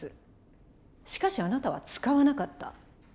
しかしあなたは使わなかった。